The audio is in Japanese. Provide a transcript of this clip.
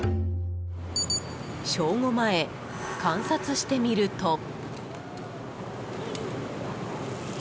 正午前、観察してみると。